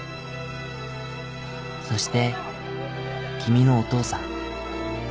そして君のお父さん。